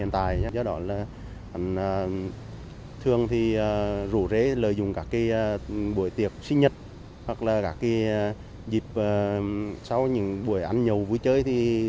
thường rủ rễ lợi dụng bữa tiệc sinh nhật dịp sau những bữa ăn nhầu vui chơi